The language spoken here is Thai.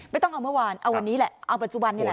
ต้องเอาเมื่อวานเอาวันนี้แหละเอาปัจจุบันนี่แหละ